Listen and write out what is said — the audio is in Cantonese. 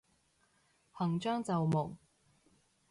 行將就木